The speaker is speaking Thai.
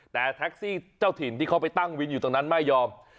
แต่แท็กซี่เจ้าถิ่นที่เขาไปตั้งวินอยู่ตรงนั้นไม่ยอม